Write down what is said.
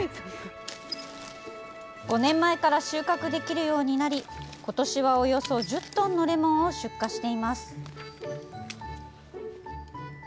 ５年前から収穫できるようになり今年は、およそ１０トンのレモンを出荷しています。